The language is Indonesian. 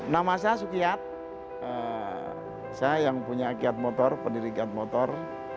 nama saya sukiat saya yang punya kiat motor pendiri kiat motor